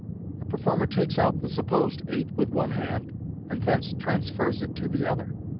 The performer takes out the supposed eight with one hand, and thence transfers it to the other.